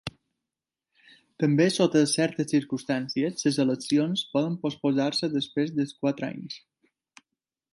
També sota certes circumstàncies les eleccions poden postposar-se després dels quatre anys.